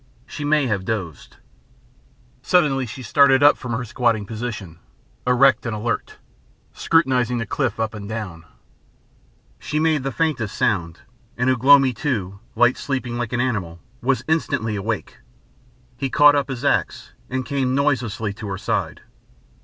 She may have dozed. Suddenly she started up from her squatting position, erect and alert, scrutinising the cliff up and down. She made the faintest sound, and Ugh lomi too, light sleeping like an animal, was instantly awake. He caught up his axe and came noiselessly to her side.